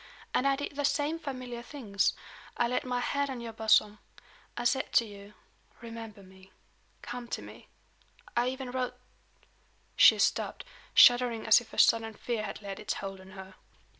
And I did the same familiar things. I laid my hand on your bosom. I said to you: 'Remember me. Come to me.' I even wrote " She stopped, shuddering as if a sudden fear had laid its hold on her.